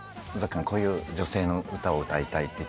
尾崎君が「こういう女性の歌を歌いたい」